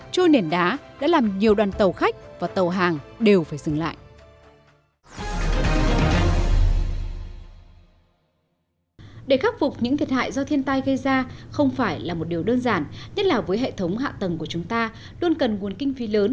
trôi nển đá đã làm nhiều đoàn tàu khách và tàu hàng đều phải dừng lại